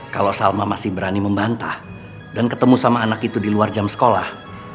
kalau salma masih berani membantah dan ketemu sama anak itu di luar jam sekolah